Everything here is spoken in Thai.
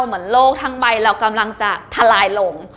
เหมือนโลกทั้งใบเรากำลังจะทลายลง